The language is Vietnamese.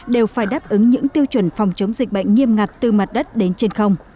đều phải đáp ứng những tiêu chuẩn phòng chống dịch bệnh nghiêm ngặt từ mặt đất đến trên không